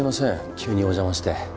急にお邪魔して。